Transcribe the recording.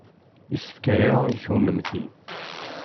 Asefk-a i kennemti.